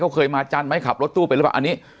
เขาเคยมาจันทร์ไหมขับรถตู้ไปหรือเปล่าอันนี้